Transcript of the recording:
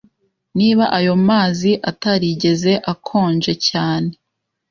Niba ayo mazi atarigeze a-akonje cyane